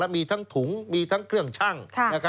มีทั้งถุงมีทั้งเครื่องชั่ง